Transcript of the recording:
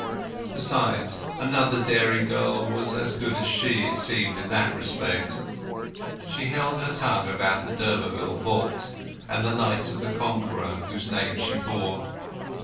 Besides, another diary girl was as good as she, it seemed, in that respect. She held her tongue about the d'Urberville vault and the Knight of the Conqueror whose name she bore.